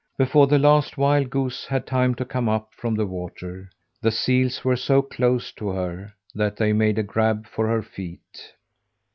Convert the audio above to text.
Before the last wild goose had time to come up from the water, the seals were so close to her that they made a grab for her feet.